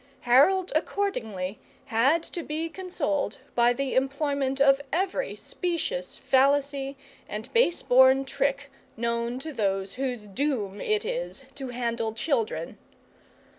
Harold accordingly had to be consoled by the employment of every specious fallacy and base born trick known to those whose doom it is to handle children.